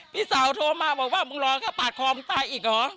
พี่สาวโทรมาบอกว่ามึงรอแค่ปาดคอมึงตายอีกเหรอ